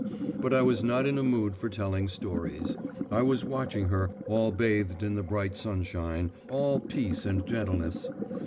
But I was not in a mood for telling stories. I was watching her, all bathed in the bright sunshine, all peace and gentleness.